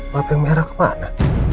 mabeng merah kemana